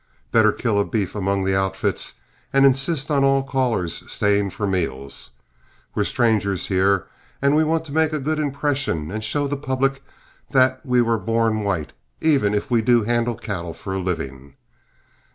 Better kill a beef among the outfits, and insist on all callers staying for meals. We're strangers here, and we want to make a good impression, and show the public that we were born white, even if we do handle cattle for a living.